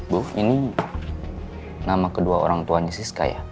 buff ini nama kedua orang tuanya siska ya